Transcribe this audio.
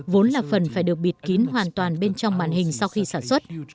vốn là phần phải được bịt kín hoàn toàn bên trong màn hình sau khi sản xuất